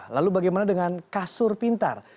lalu bagaimana dengan kasur pintar